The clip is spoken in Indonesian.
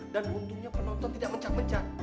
dan untungnya penonton tidak mencak mencak